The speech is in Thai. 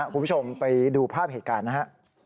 คุณผู้ชมไปดูภาพเหตุการณ์นะฮะ